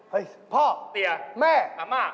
เฮ้ยพ่อเตียแม่ท่ามา